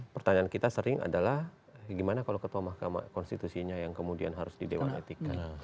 pertanyaan kita sering adalah gimana kalau ketua mahkamah konstitusinya yang kemudian harus di dewan etik kan